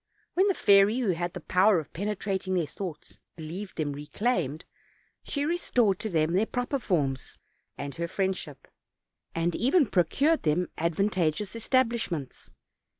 When the fairy, who had the power of penetrating their thoughts, believed them reclaimed, she restored to them their proper forms and her friendship; and even procured them advantageous establishments.